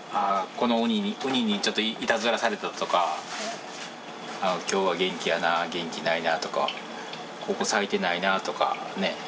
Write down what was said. このウニにウニにちょっといたずらされてるとか今日は元気やな元気ないなとかここ咲いてないなとかねっ。